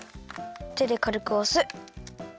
てでかるくおす。